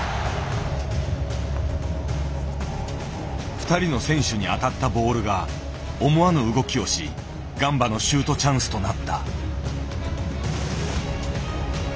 ２人の選手に当たったボールが思わぬ動きをしガンバのシュートチャンスとなった。